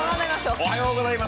おはようございます。